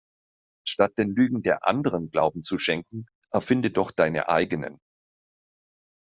Statt den Lügen der Anderen Glauben zu schenken erfinde doch deine eigenen.